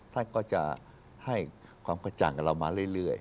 ท่านก็จะให้ความกระจ่างกับเรามาเรื่อย